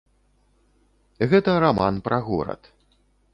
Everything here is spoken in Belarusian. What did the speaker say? Гэта раман пра горад.